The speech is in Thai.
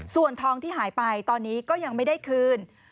ส่วนทองที่หายไปตอนนี้ก็ยังไม่ได้คืน